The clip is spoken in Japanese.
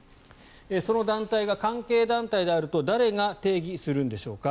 その団体が関係団体であると誰が定義するんでしょうか